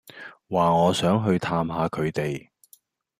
話我想去探吓佢哋